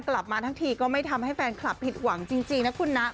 กลับมาทั้งทีก็ไม่ทำให้แฟนคลับผิดหวังจริงนะคุณนะ